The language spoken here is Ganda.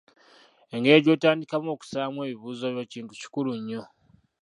Engeri gy'otandikamu okusabamu ebibuuzo byo kintu kikulu nnyo.